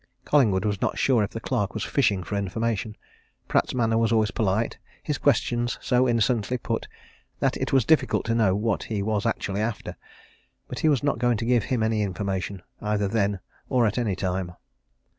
Collingwood was not sure if the clerk was fishing for information. Pratt's manner was always polite, his questions so innocently put, that it was difficult to know what he was actually after. But he was not going to give him any information either then, or at any time.